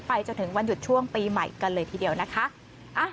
จนถึงวันหยุดช่วงปีใหม่กันเลยทีเดียวนะคะ